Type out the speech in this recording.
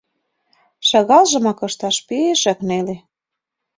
Шагалжымак ышташ пешак неле.